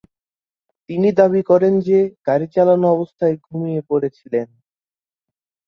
তিনি দাবী করেন যে, গাড়ী চালানো অবস্থায় ঘুমিয়ে পড়েছিলেন।